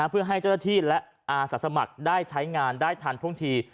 เพื่อให้เจ้าที่และสถาสมัครได้ใช้งานได้ทันพรุ่งที